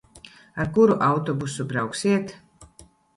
Ar kuru autobusu brauksiet?